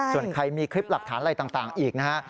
ส่วนใครมีคลิปหลักฐานอะไรต่างอีกนะฮะ